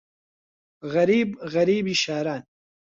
غەریب غەریبی شاران